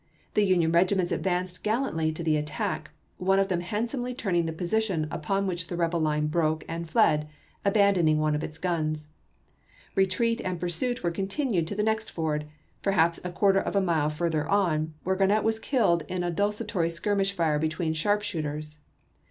The three Union regiments advanced gallantly to the attack, one of them handsomely turning the position, upon which the rebel line broke and fled, abandoning one of its guns. Retreat and pursuit were continued to the next ford, perhaps a quarter of a mile further on, where Grarnett was killed in a desultory skirmish fire between sharp shooters.